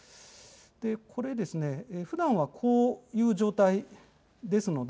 これですね、ふだんはこういう状態ですので。